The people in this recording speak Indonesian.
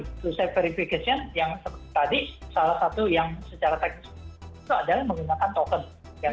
two step verification yang tadi salah satu yang secara teknis itu adalah menggunakan token